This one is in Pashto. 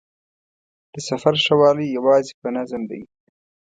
د سفر ښه والی یوازې په نظم دی.